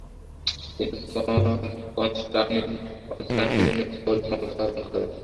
তিনি কন্সটান্টিনোপলে ক্ষমতায় আরোহণ করেন।